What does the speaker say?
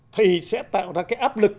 thì sẽ tạo ra cái áp lực